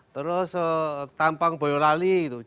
terus tampang boyolali gitu